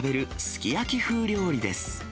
すき焼き風料理です。